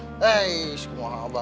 hei aku mau abah